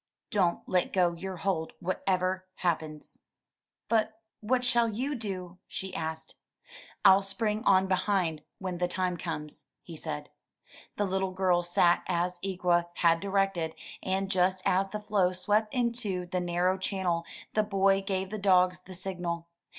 Don't let go your hold what ever happens." But what shall you do?" she asked. *T'll spring on behind when the time comes," he said. The little girl sat as Ikwa had directed, and just as the floe swept into the narrow channel, the boy gave the dogs the signal.